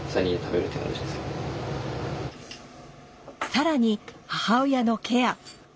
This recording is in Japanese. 更に母親のケア。